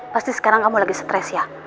pasti sekarang kamu lagi stres ya